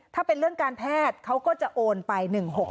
ถ้าเป็นเรื่องการแพทย์เขาก็จะโอนไป๑๖๖